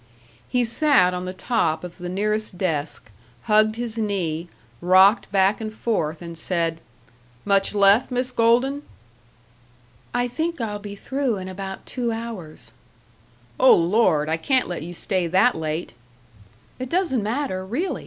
He sat on the top of the nearest desk, hugged his knee, rocked back and forth, and said, "Much left, Miss Golden?" "I think I'll be through in about two hours." "Oh, Lord! I can't let you stay that late." "It doesn't matter. Really!